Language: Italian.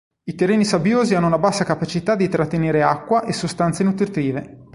I terreni sabbiosi hanno una bassa capacità di trattenere acqua e sostanze nutritive.